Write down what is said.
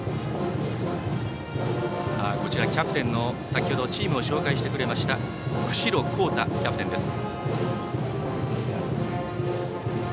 キャプテンの、先ほどチームを紹介してくれました久城洸太キャプテンです。